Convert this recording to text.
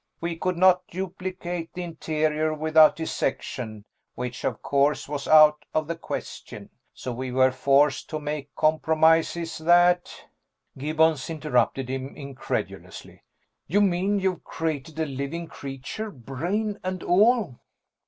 We could not duplicate the interior without dissection, which of course was out of the question, so we were forced to make compromises that " Gibbons interrupted him incredulously. "You mean you've created a living creature, brain and all?"